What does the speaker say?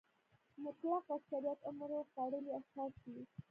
مطلق اکثریت عمر خوړلي اشخاص دي.